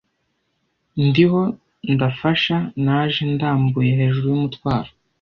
Ndiho, ndafasha, naje ndambuye hejuru yumutwaro,